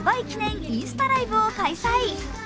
記念インスタライブを開催。